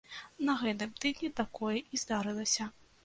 На гэтым тыдні такое і здарылася.